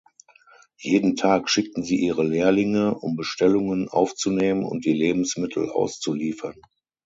Jeden Tag schickten sie ihre Lehrlinge, um Bestellungen aufzunehmen und die Lebensmittel auszuliefern.